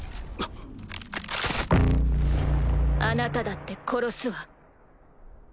あなただって殺すわ。